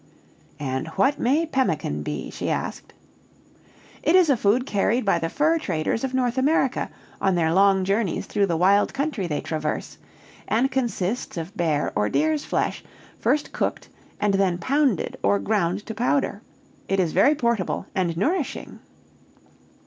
"And what may pemmican be?" she asked. "It is food carried by the fur traders of North America on their long journeys through the wild country they traverse; and consists of bear or deer's flesh, first cooked and then pounded or ground to powder. It is very portable, and nourishing."